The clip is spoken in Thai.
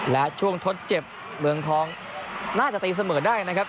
และช่วงทดเจ็บเมืองทองน่าจะตีเสมอได้นะครับ